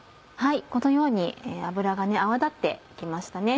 このように油が泡立って来ましたね。